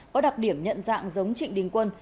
có đặc điểm nhận dạng giống trịnh đình quân